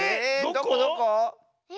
どこどこ⁉え